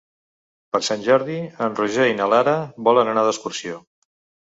Per Sant Jordi en Roger i na Lara volen anar d'excursió.